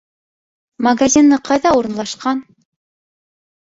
... магазины ҡайҙа урынлашҡан?